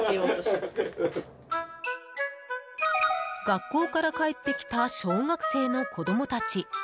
学校から帰ってきた小学生の子供たち。